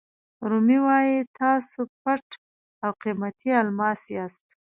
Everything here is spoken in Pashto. رومي وایي تاسو پټ او قیمتي الماس یاست.